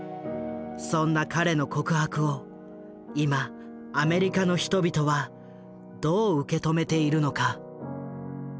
そんな彼の告白を今アメリカの人々はどう受け止めているのか。